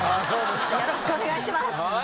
よろしくお願いします。